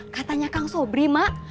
katanya kang sobri mak